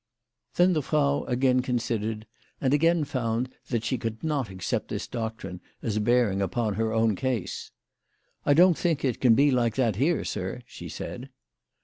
Then the Frau again considered, and again found that she could not accept this doctrine as bearing upon her own case. " I don't think it can be like that here, sir," she said.